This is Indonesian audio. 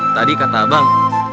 tadi kata abang